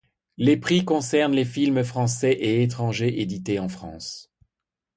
Les prix concernent les films français et étrangers, édités en France.